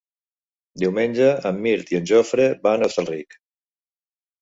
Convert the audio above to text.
Diumenge en Mirt i en Jofre van a Hostalric.